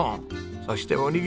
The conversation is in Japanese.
そしておにぎり。